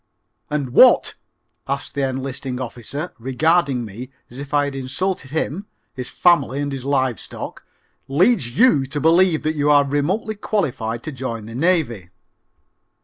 _ "And what," asked the enlisting officer, regarding me as if I had insulted him, his family and his live stock, "leads you to believe that you are remotely qualified to join the Navy?"